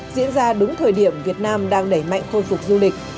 diễn ra đúng thời điểm việt nam đang đẩy mạnh khôi phục du lịch